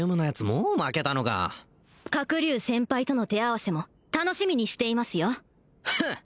もう負けたのか角竜先輩との手合わせも楽しみにしていますよハッ！